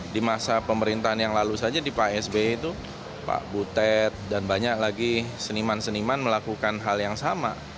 di masa pemerintahan yang lalu saja di pak sby itu pak butet dan banyak lagi seniman seniman melakukan hal yang sama